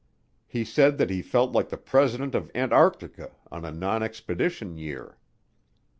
He said that he felt like the President of Antarctica on a non expedition year.